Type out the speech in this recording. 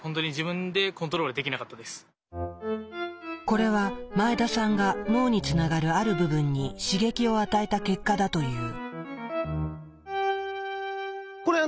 これは前田さんが脳につながるある部分に刺激を与えた結果だという。